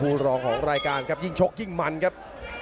รองของรายการครับยิ่งชกยิ่งมันครับ